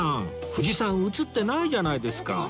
藤さん写ってないじゃないですか